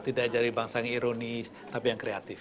tidak jadi bangsa yang ironis tapi yang kreatif